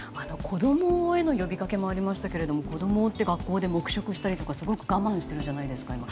子供への呼びかけもありましたけど子供も学校で黙食したり我慢しているじゃないですか。